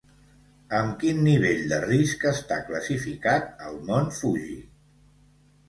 Amb quin nivell de risc està classificat el mont Fuji?